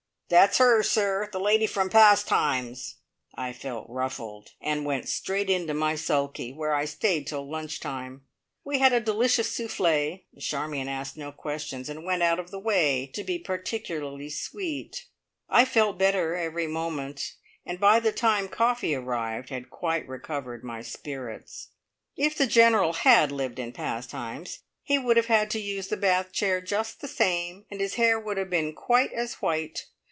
"That's her, sir! The lady from Pastimes!" I felt ruffled, and went straight into my "sulky," where I stayed till lunch time. We had a delicious souffle, and Charmion asked no questions, and went out of the way to be particularly sweet. I felt better every moment, and by the time coffee arrived had quite recovered my spirits. If the General had lived in Pastimes, he would have had to use the bath chair just the same, and his hair would have been quite as white!